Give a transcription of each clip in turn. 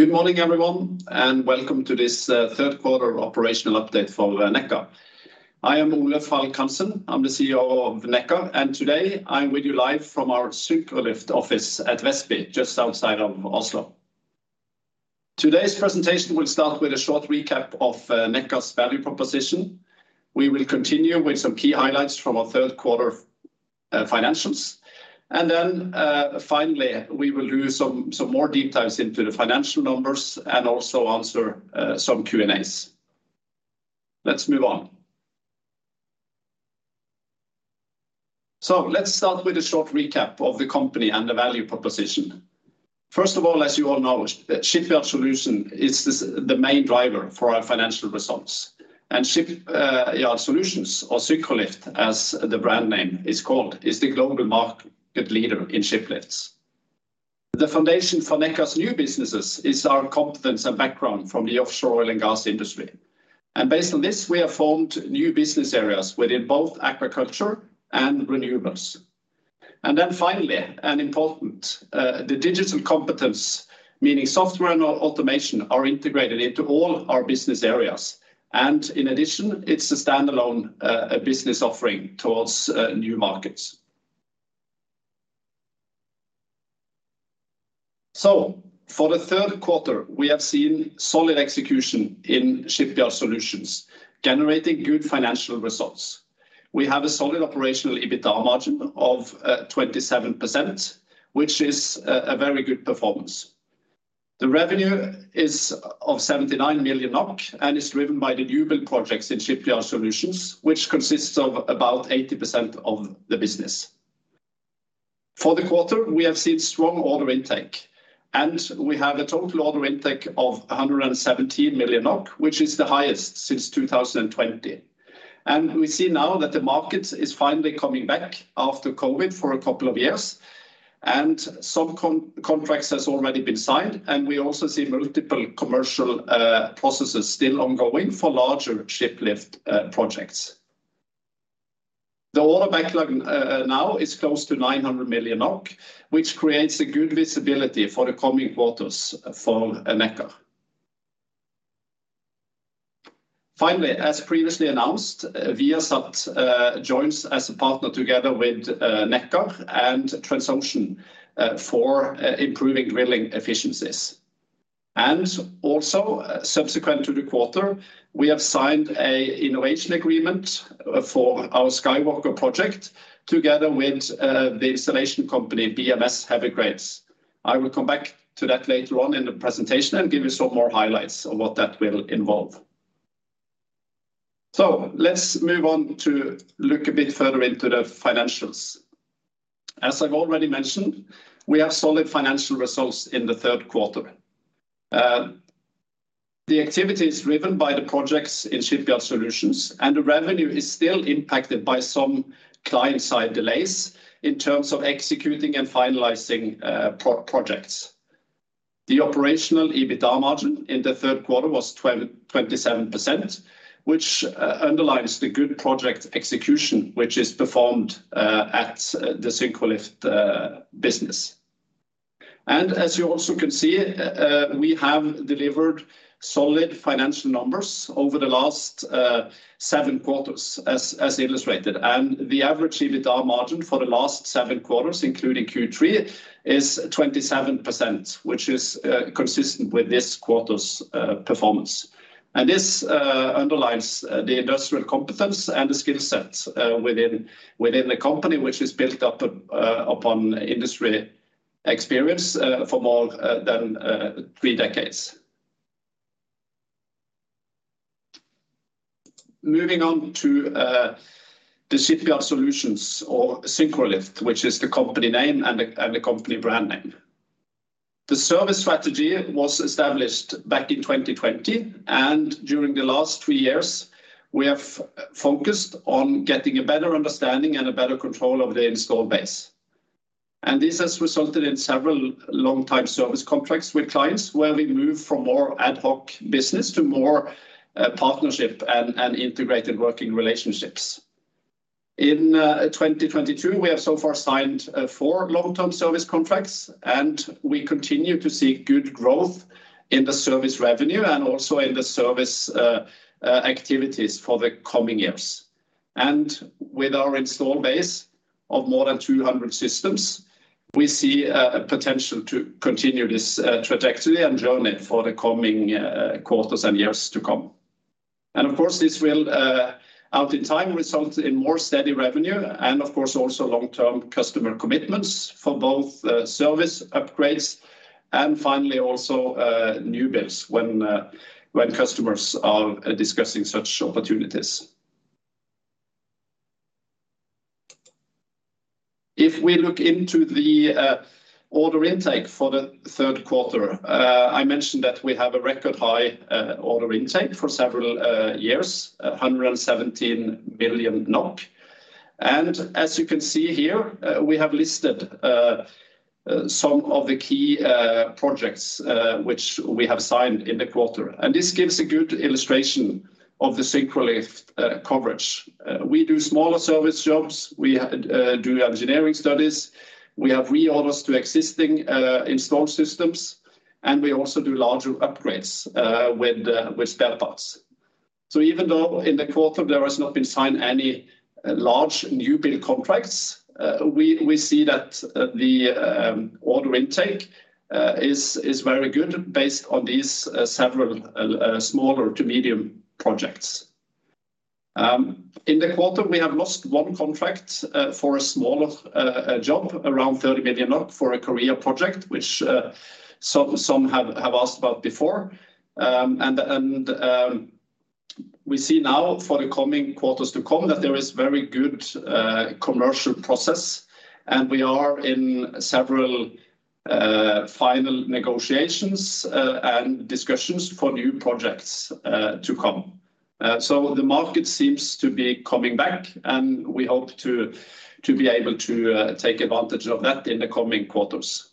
Good morning, everyone, and welcome to this third quarter operational update for Nekkar. I am Ole Falk Hansen. I'm the CEO of Nekkar, and today I'm with you live from our Syncrolift office at Vestby, just outside of Oslo. Today's presentation will start with a short recap of Nekkar's value proposition. We will continue with some key highlights from our third quarter financials. Then, finally, we will do some more deep dives into the financial numbers and also answer some Q&As. Let's move on. Let's start with a short recap of the company and the value proposition. First of all, as you all know, Shipyard Solutions is the main driver for our financial results. Shipyard Solutions or Syncrolift, as the brand name is called, is the global market leader in shiplifts. The foundation for Nekkar's new businesses is our competence and background from the offshore oil and gas industry. Based on this, we have formed new business areas within both agriculture and renewables. Then finally, and important, the digital competence, meaning software and automation are integrated into all our business areas. In addition, it's a standalone business offering towards new markets. For the third quarter, we have seen solid execution in Shipyard Solutions, generating good financial results. We have a solid operational EBITDA margin of 27%, which is a very good performance. The revenue is of 79 million NOK and is driven by the new build projects in Shipyard Solutions, which consists of about 80% of the business. For the quarter, we have seen strong order intake. We have a total order intake of 117 million NOK, which is the highest since 2020. We see now that the market is finally coming back after COVID for a couple of years and some contracts has already been signed. We also see multiple commercial processes still ongoing for larger shiplift projects. The order backlog now is close to 900 million NOK, which creates a good visibility for the coming quarters for Nekkar. Finally, as previously announced, Viasat joins as a partner together with Nekkar and Transocean for improving drilling efficiencies. Subsequent to the quarter, we have signed an innovation agreement for our SkyWalker project together with the installation company BMS Heavy Cranes. I will come back to that later on in the presentation and give you some more highlights of what that will involve. Let's move on to look a bit further into the financials. As I've already mentioned, we have solid financial results in the third quarter. The activity is driven by the projects in Shipyard Solutions, and the revenue is still impacted by some client side delays in terms of executing and finalizing projects. The operational EBITDA margin in the third quarter was 27%, which underlines the good project execution, which is performed at the Syncrolift business. As you also can see, we have delivered solid financial numbers over the last seven quarters as illustrated. The average EBITDA margin for the last seven quarters, including Q3, is 27%, which is consistent with this quarter's performance. This underlines the industrial competence and the skill sets within the company, which is built up upon industry experience for more than three decades. Moving on to the Shipyard Solutions or Syncrolift, which is the company name and the company brand name. The service strategy was established back in 2020, and during the last 3 years, we have focused on getting a better understanding and a better control of the installed base. This has resulted in several long-time service contracts with clients where we move from more ad hoc business to more partnership and integrated working relationships. In 2022, we have so far signed 4 long-term service contracts, and we continue to see good growth in the service revenue and also in the service activities for the coming years. With our installed base of more than 200 systems, we see potential to continue this trajectory and journey for the coming quarters and years to come. Of course, this will out in time result in more steady revenue and of course also long-term customer commitments for both service upgrades and finally also new builds when customers are discussing such opportunities. If we look into the order intake for the third quarter, I mentioned that we have a record high order intake for several years, 117 million NOK. As you can see here, we have listed some of the key projects which we have signed in the quarter. This gives a good illustration of the Syncrolift coverage. We do smaller service jobs. We have do engineering studies. We have reorders to existing installed systems, and we also do larger upgrades with spare parts. Even though in the quarter there has not been signed any large new build contracts, we see that the order intake is very good based on these several smaller to medium projects. In the quarter, we have lost one contract for a smaller job around 30 million for a Korea project, which some have asked about before. We see now for the coming quarters to come that there is very good commercial process, and we are in several final negotiations and discussions for new projects to come. The market seems to be coming back, and we hope to be able to take advantage of that in the coming quarters.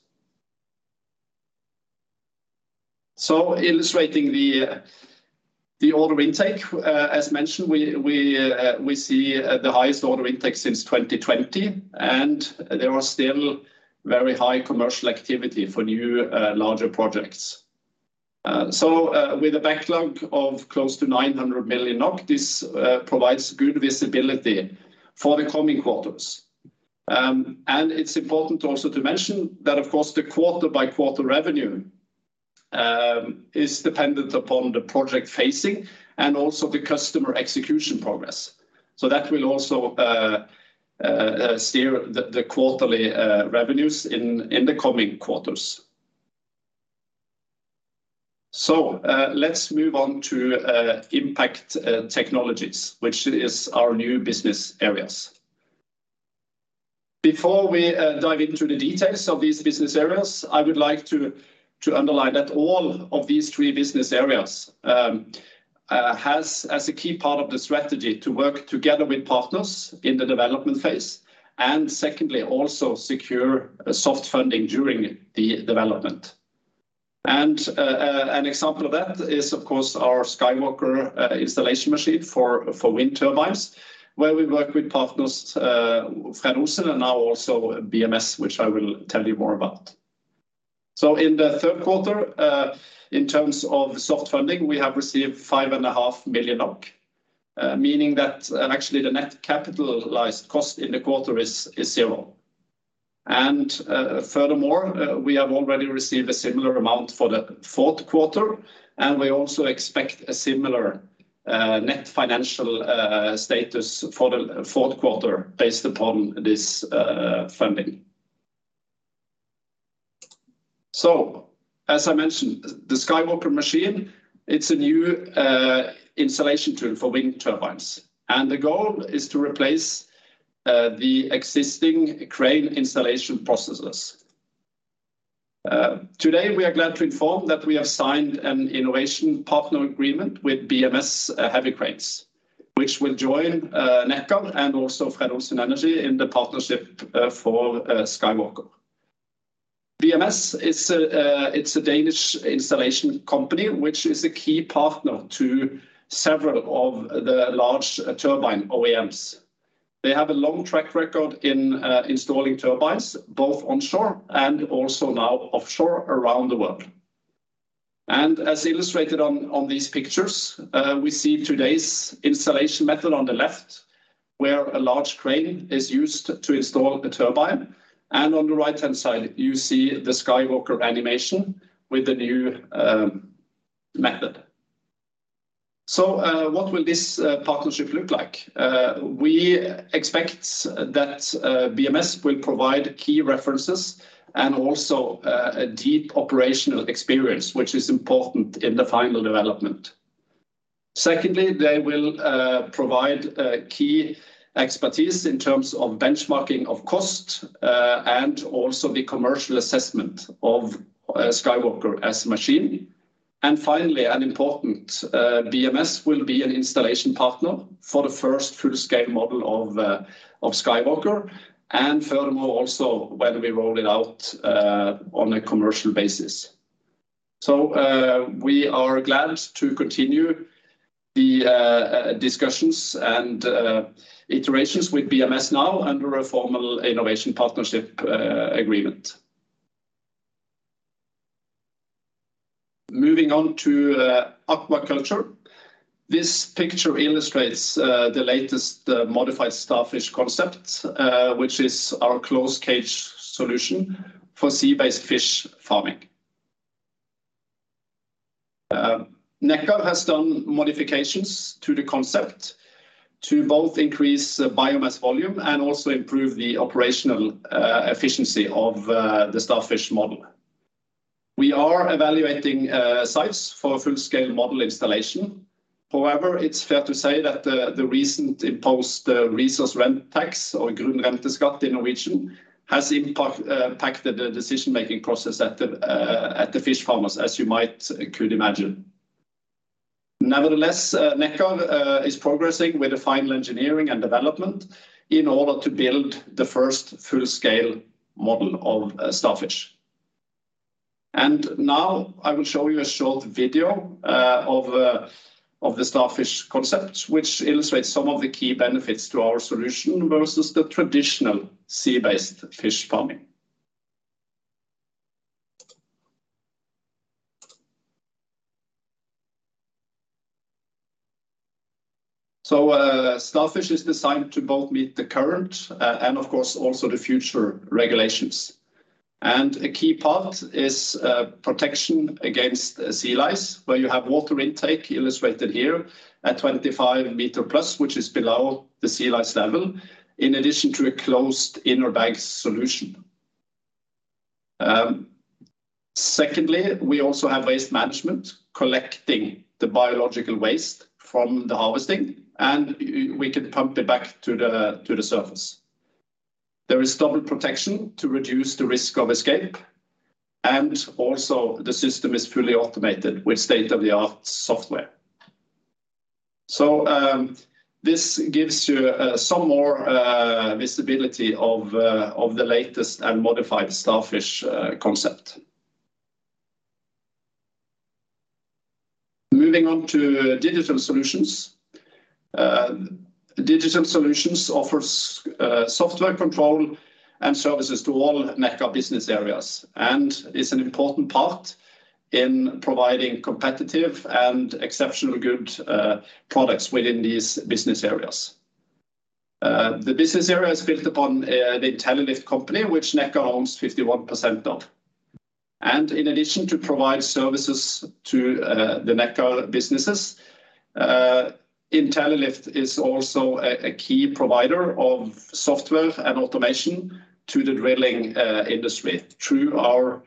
Illustrating the order intake, as mentioned, we see the highest order intake since 2020, and there are still very high commercial activity for new larger projects. With a backlog of close to 900 million NOK, this provides good visibility for the coming quarters. It's important also to mention that of course, the quarter-by-quarter revenue is dependent upon the project phasing and also the customer execution progress. That will also steer the quarterly revenues in the coming quarters. Let's move on to Impact Technologies, which is our new business areas. Before we dive into the details of these business areas, I would like to underline that all of these three business areas has as a key part of the strategy to work together with partners in the development phase, and secondly, also secure soft funding during the development. An example of that is of course our SkyWalker installation machine for wind turbines, where we work with partners, Fred Olsen and now also BMS, which I will tell you more about. In the third quarter, in terms of soft funding, we have received 5.5 million NOK, meaning that and actually the net capitalized cost in the quarter is zero. Furthermore, we have already received a similar amount for the fourth quarter, and we also expect a similar net financial status for the fourth quarter based upon this funding. As I mentioned, the SkyWalker machine, it's a new installation tool for wind turbines, and the goal is to replace the existing crane installation processes. Today we are glad to inform that we have signed an innovation partner agreement with BMS Heavy Cranes, which will join Nekkar and also Fred Olsen Energy in the partnership for SkyWalker. BMS it's a Danish installation company, which is a key partner to several of the large turbine OEMs. They have a long track record in, installing turbines, both onshore and also now offshore around the world. As illustrated on these pictures, we see today's installation method on the left, where a large crane is used to install the turbine, and on the right-hand side, you see the SkyWalker animation with the new method. What will this partnership look like? We expect that BMS will provide key references and also a deep operational experience, which is important in the final development. Secondly, they will provide key expertise in terms of benchmarking of cost, and also the commercial assessment of SkyWalker as a machine. Finally, and important, BMS will be an installation partner for the first full-scale model of SkyWalker, and furthermore, also when we roll it out on a commercial basis. We are glad to continue the discussions and iterations with BMS now under a formal innovation partnership agreement. Moving on to aquaculture. This picture illustrates the latest modified Starfish concept, which is our closed cage solution for sea-based fish farming. Nekkar has done modifications to the concept to both increase the biomass volume and also improve the operational efficiency of the Starfish model. We are evaluating sites for a full-scale model installation. However, it's fair to say that the recent imposed resource rent tax or grunnrenteskatt in Norwegian has impacted the decision-making process at the fish farmers, as you might could imagine. Nevertheless, Nekkar is progressing with the final engineering and development in order to build the first full-scale model of Starfish. Now I will show you a short video of the Starfish concept, which illustrates some of the key benefits to our solution versus the traditional sea-based fish farming. Starfish is designed to both meet the current and of course, also the future regulations. A key part is protection against sea lice, where you have water intake illustrated here at 25 meter+, which is below the sea lice level, in addition to a closed inner bag solution. Secondly, we also have waste management, collecting the biological waste from the harvesting, and we can pump it back to the surface. There is double protection to reduce the risk of escape, and also the system is fully automated with state-of-the-art software. This gives you some more visibility of the latest and modified Starfish concept. Moving on to digital solutions. Digital solutions offers software control and services to all Nekkar business areas and is an important part in providing competitive and exceptional good products within these business areas. The business area is built upon the Intellilift company, which Nekkar owns 51% of. In addition to provide services to the Nekkar businesses, Intellilift is also a key provider of software and automation to the drilling industry through our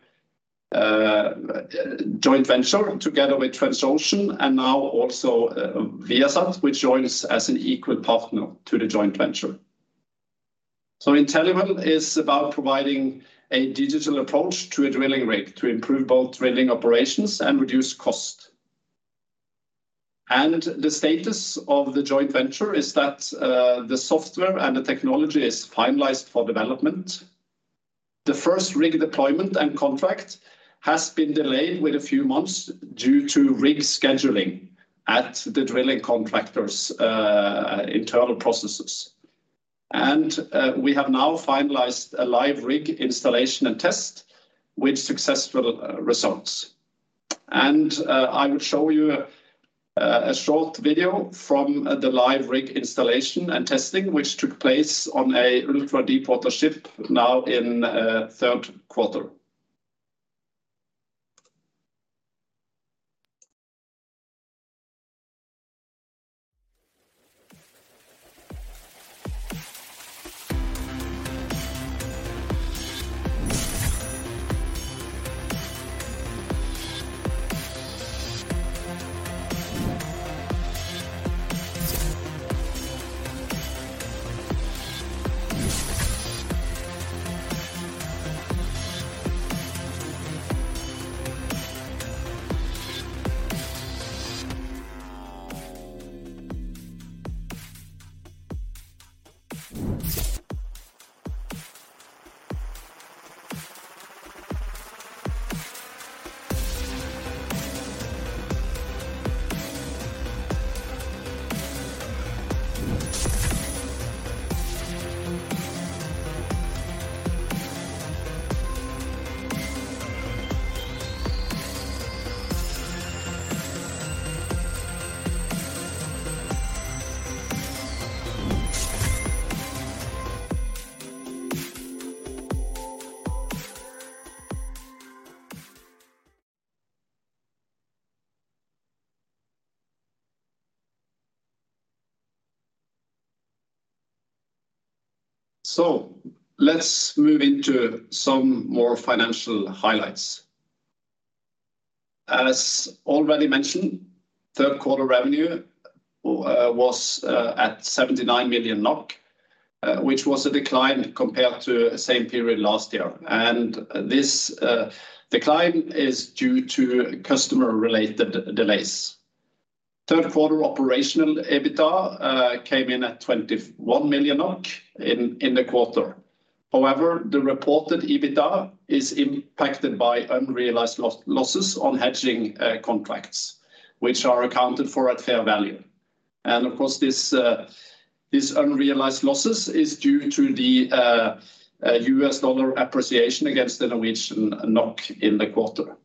joint venture together with Transocean and now also Viasat, which joins as an equal partner to the joint venture. Inteliwell is about providing a digital approach to a drilling rig to improve both drilling operations and reduce cost. The status of the joint venture is that the software and the technology is finalized for development. The first rig deployment and contract has been delayed with a few months due to rig scheduling at the drilling contractor's internal processes. We have now finalized a live rig installation and test with successful results. I will show you a short video from the live rig installation and testing, which took place on a ultra-deepwater ship now in third quarter. Let's move into some more financial highlights. As already mentioned, third quarter revenue was at 79 million NOK, which was a decline compared to same period last year. This decline is due to customer-related delays. Third quarter operational EBITDA came in at 21 million in the quarter. However, the reported EBITDA is impacted by unrealized losses on hedging contracts, which are accounted for at fair value. Of course, this unrealized losses is due to the U.S. dollar appreciation against the Norwegian NOK in the quarter.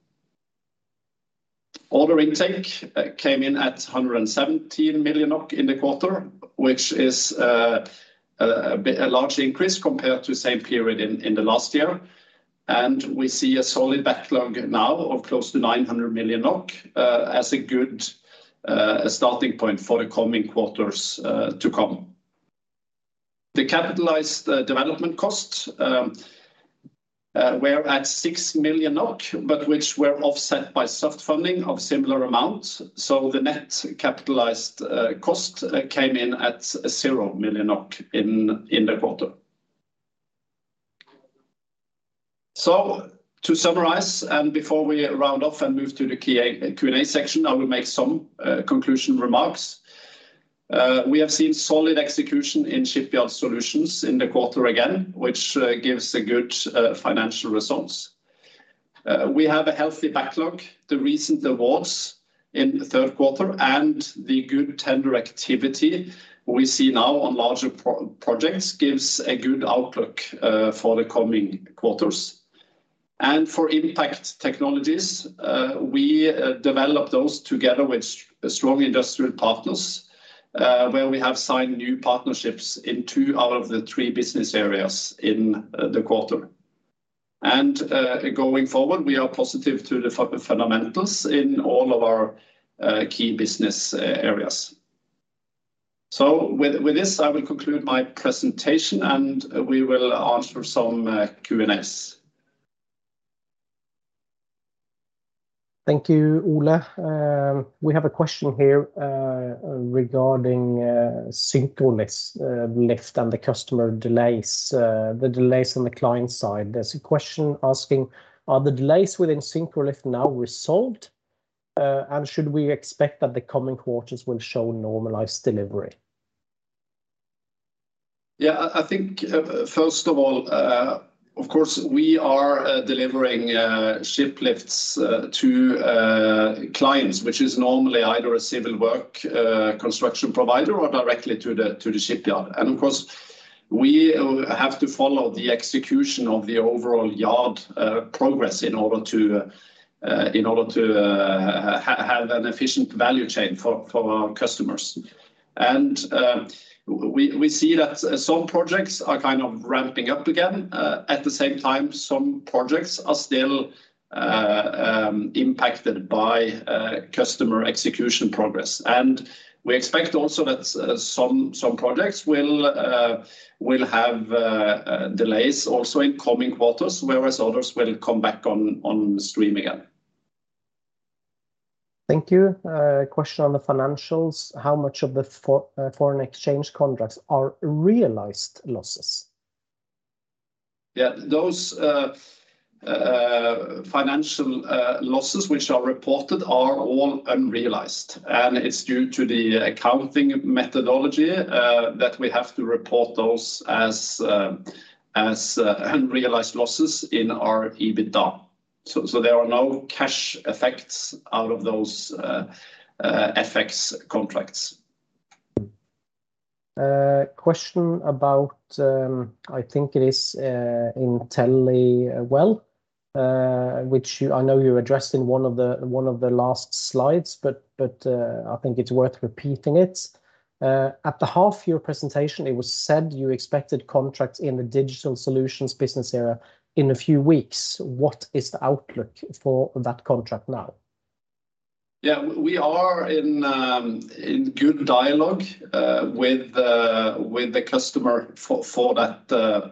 Order intake came in at 117 million NOK in the quarter, which is a large increase compared to same period in the last year. We see a solid backlog now of close to 900 million NOK as a good starting point for the coming quarters to come. The capitalized development costs were at 6 million NOK, but which were offset by soft funding of similar amounts, so the net capitalized cost came in at 0 million in the quarter. To summarize, and before we round off and move to the Q&A section, I will make some conclusion remarks. We have seen solid execution in Shipyard Solutions in the quarter again, which gives a good financial results. We have a healthy backlog. The recent awards in the third quarter and the good tender activity we see now on larger projects gives a good outlook for the coming quarters. For Impact Technologies, we develop those together with strong industrial partners, where we have signed new partnerships in two out of the three business areas in the quarter. Going forward, we are positive to the fundamentals in all of our key business areas. With this, I will conclude my presentation and we will answer some Q&As. Thank you, Ole. We have a question here regarding Syncrolift lift and the customer delays, the delays on the client side. There's a question asking, "Are the delays within Syncrolift now resolved, and should we expect that the coming quarters will show normalized delivery? Yeah, I think, first of all, of course, we are delivering shiplifts to clients, which is normally either a civil work construction provider or directly to the Shipyard. Of course, we have to follow the execution of the overall yard progress in order to have an efficient value chain for our customers. We, we see that some projects are kind of ramping up again. At the same time, some projects are still impacted by customer execution progress. We expect also that some projects will have delays also in coming quarters, whereas others will come back on stream again. Thank you. Question on the financials, how much of the foreign exchange contracts are realized losses? Yeah, those financial losses which are reported are all unrealized, and it's due to the accounting methodology that we have to report those as unrealized losses in our EBITDA. There are no cash effects out of those FX contracts. Question about, I think it is Inteliwell, which I know you addressed in one of the last slides, but I think it's worth repeating it. At the half year presentation, it was said you expected contracts in the digital solutions business area in a few weeks. What is the outlook for that contract now? Yeah, we are in good dialogue with the customer for that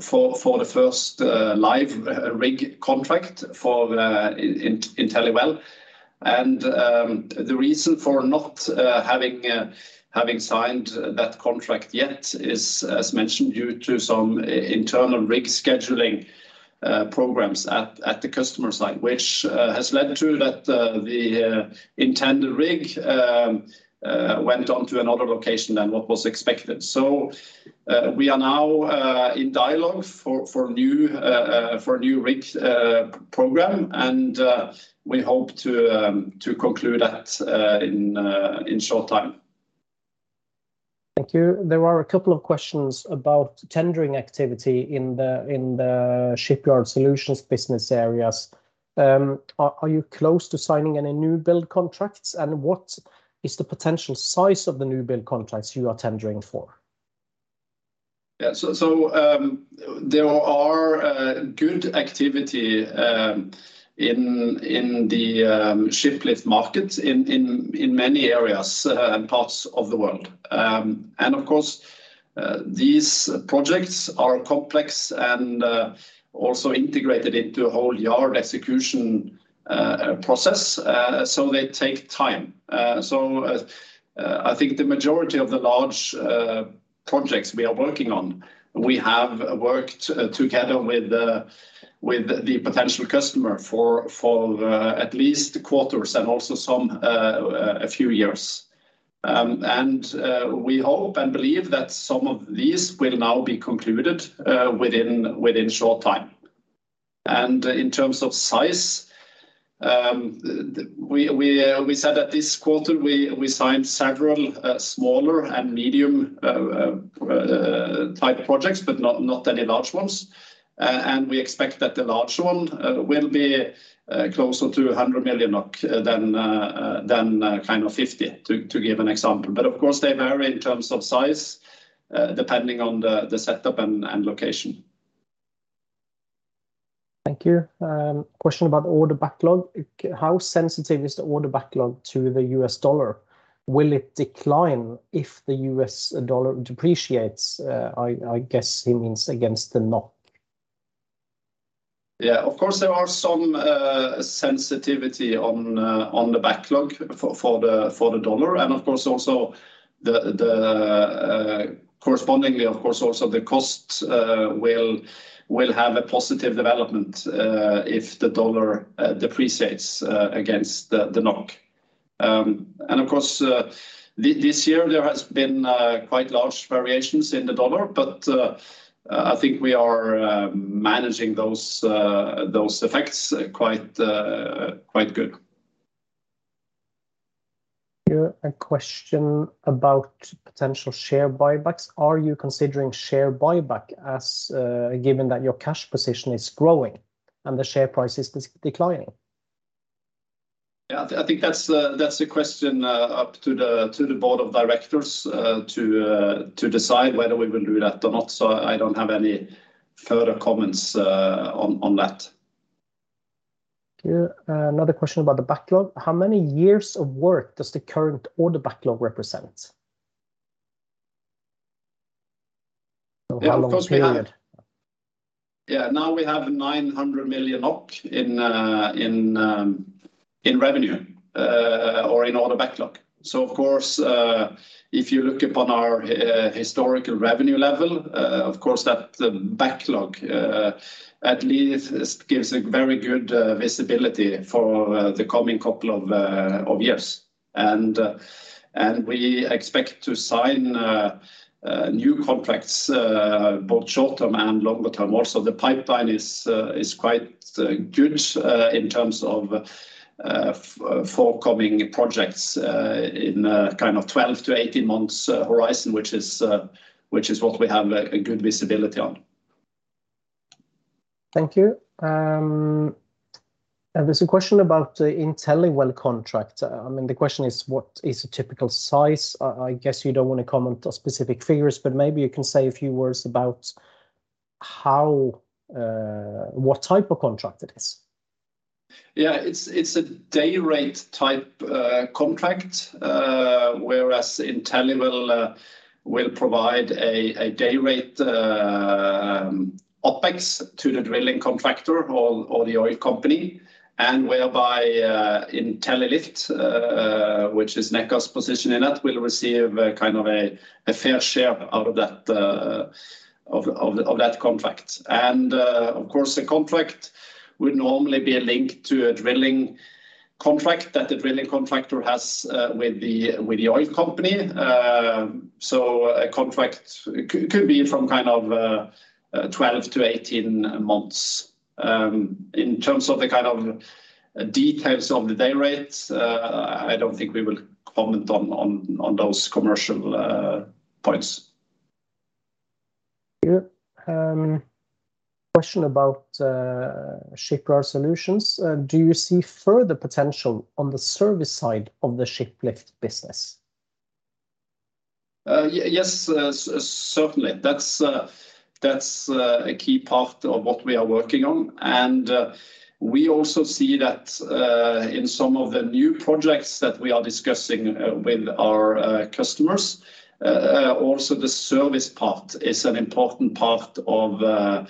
for the first live rig contract for Inteliwell. The reason for not having signed that contract yet is, as mentioned, due to some internal rig scheduling programs at the customer site, which has led to that the intended rig went on to another location than what was expected. We are now in dialogue for a new rig program, and we hope to conclude that in short time. Thank you. There are a couple of questions about tendering activity in the Shipyard Solutions business areas. Are you close to signing any new build contracts? What is the potential size of the new build contracts you are tendering for? There are good activity in the shiplifts market in many areas and parts of the world. And of course, these projects are complex and also integrated into a whole yard execution process, so they take time. I think the majority of the large projects we are working on, we have worked together with the potential customer for at least quarters and also a few years. And we hope and believe that some of these will now be concluded within short time. And in terms of size, we said that this quarter we signed several smaller and medium type projects, but not any large ones. We expect that the large one will be closer to 100 million than kind of 50 million to give an example. Of course, they vary in terms of size depending on the setup and location. Thank you. Question about order backlog. How sensitive is the order backlog to the U.S. dollar? Will it decline if the U.S. dollar depreciates? I guess he means against the NOK. Yeah. Of course, there are some sensitivity on the backlog for the dollar and of course also the correspondingly, of course, also the cost will have a positive development if the dollar depreciates against the NOK. Of course, this year there has been quite large variations in the dollar. I think we are managing those effects quite good. Here a question about potential share buybacks. Are you considering share buyback as, given that your cash position is growing and the share price is declining? Yeah, I think that's a question up to the board of directors to decide whether we will do that or not. I don't have any further comments on that. Here, another question about the backlog. How many years of work does the current order backlog represent? Yeah, of course we. How long period? Now we have 900 million NOK in revenue or in order backlog. Of course, if you look upon our historical revenue level, of course that backlog at least gives a very good visibility for the coming couple of years. We expect to sign new contracts both short-term and longer-term. Also the pipeline is quite good in terms of forecoming projects in kind of 12 months-18 months horizon, which is what we have good visibility on. Thank you. There's a question about Inteliwell contract. I mean, the question is what is a typical size? I guess you don't wanna comment on specific figures, but maybe you can say a few words about how what type of contract it is. Yeah. It's, it's a day rate type contract, whereas Inteliwell will provide a day rate OpEx to the drilling contractor or the oil company, and whereby Intellilift, which is Nekkar's position in that, will receive a kind of a fair share out of that contract. Of course, the contract would normally be linked to a drilling contract that the drilling contractor has with the oil company. A contract could be from kind of 12 months-18 months. In terms of the kind of details of the day rates, I don't think we will comment on those commercial points. Question about Shipyard Solutions. Do you see further potential on the service side of the shiplift business? Yes, certainly. That's, that's a key part of what we are working on. We also see that in some of the new projects that we are discussing with our customers, also the service part is an important part of the,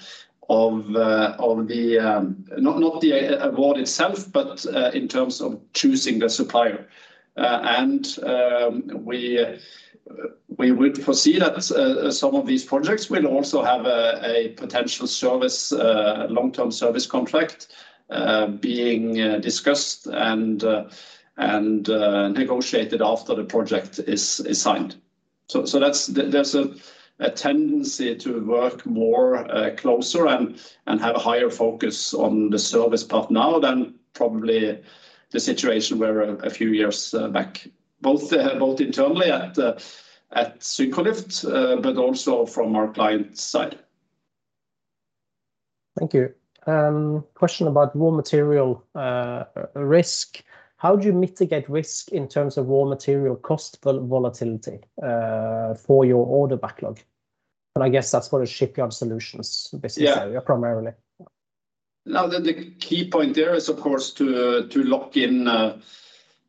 not the award itself, but in terms of choosing the supplier. We would foresee that some of these projects will also have a potential service, long-term service contract, being discussed and negotiated after the project is signed. That's. There's a tendency to work more, closer and have a higher focus on the service part now than probably the situation where a few years back, both internally at Syncrolift, but also from our client side. Thank you. Question about raw material risk. How do you mitigate risk in terms of raw material cost volatility for your order backlog? I guess that's for the Shipyard Solutions business area. Yeah primarily. Now, the key point there is, of course, to lock in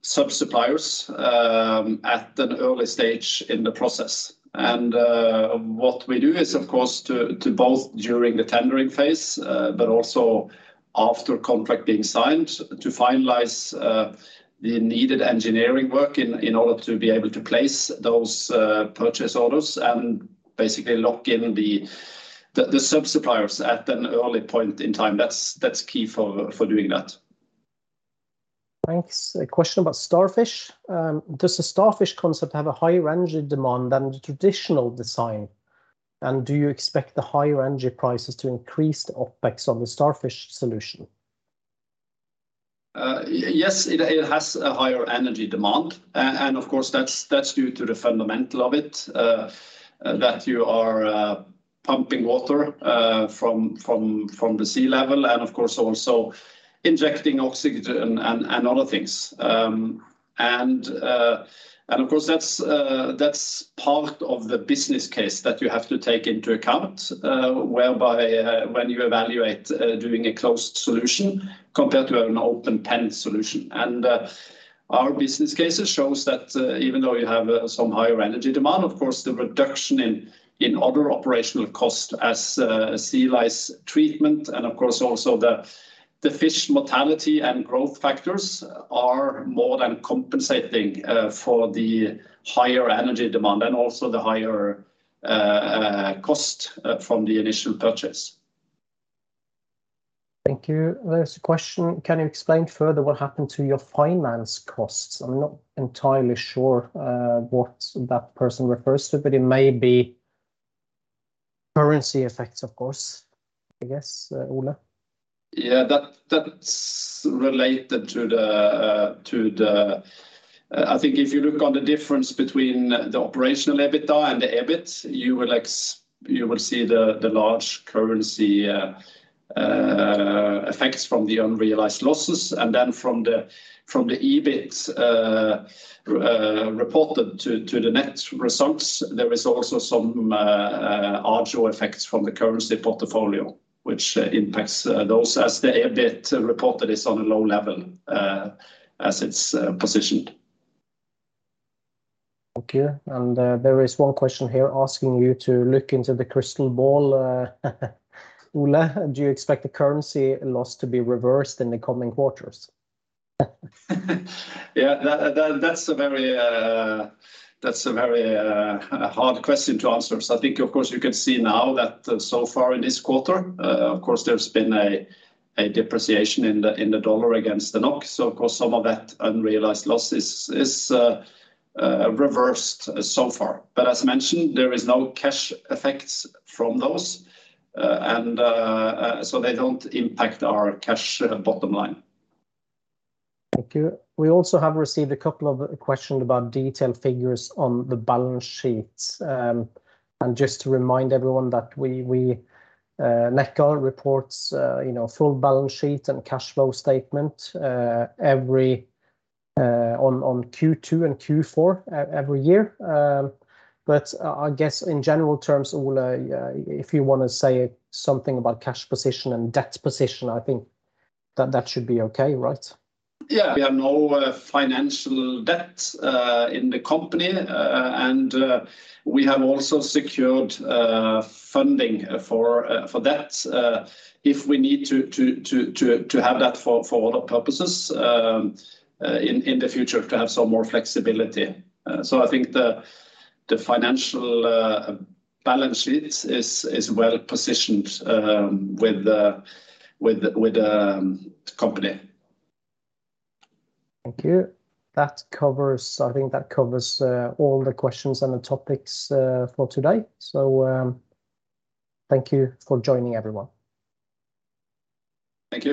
sub-suppliers at an early stage in the process. What we do is, of course, to both during the tendering phase, but also after contract being signed, to finalize the needed engineering work in order to be able to place those purchase orders and basically lock in the sub-suppliers at an early point in time. That's key for doing that. Thanks. A question about Starfish. Does the Starfish concept have a higher energy demand than the traditional design? Do you expect the higher energy prices to increase the OpEx on the Starfish solution? Yes, it has a higher energy demand. Of course, that's due to the fundamental of it, that you are pumping water from the sea level and of course also injecting oxygen and other things. Of course, that's part of the business case that you have to take into account, whereby when you evaluate doing a closed solution compared to an open pen solution. Our business cases shows that even though you have some higher energy demand, of course, the reduction in other operational costs as sea lice treatment and, of course, also the fish mortality and growth factors are more than compensating for the higher energy demand and also the higher cost from the initial purchase. Thank you. There's a question. Can you explain further what happened to your finance costs? I'm not entirely sure what that person refers to, but it may be currency effects, of course, I guess, Ole. That's related to the. I think if you look on the difference between the operational EBITDA and the EBIT, you will see the large currency effects from the unrealized losses and then from the EBIT reported to the net results. There is also some actual effects from the currency portfolio, which impacts those as the EBIT reported is on a low level as it's positioned. Okay. There is one question here asking you to look into the crystal ball. Ole, do you expect the currency loss to be reversed in the coming quarters? That's a very hard question to answer. I think of course you can see now that so far in this quarter, of course, there's been a depreciation in the dollar against the NOK. Of course, some of that unrealized loss is reversed so far. As mentioned, there is no cash effects from those. They don't impact our cash bottom line. Thank you. We also have received a couple of questions about detailed figures on the balance sheets. Just to remind everyone that we Nekkar reports, you know, full balance sheet and cash flow statement, every on Q2 and Q4 every year. I guess in general terms, Ole, if you wanna say something about cash position and debt position, I think that that should be okay, right? Yeah. We have no financial debt in the company. We have also secured funding for that if we need to have that for other purposes in the future to have some more flexibility. I think the financial balance is well positioned with the company. Thank you. I think that covers all the questions and the topics for today. Thank you for joining, everyone. Thank you.